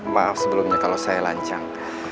maaf sebelumnya kalau saya lancang